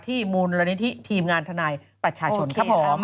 มูลนิธิทีมงานทนายประชาชนครับผม